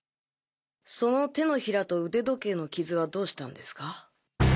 その手のひらと腕時計のキズはどうしたんですか？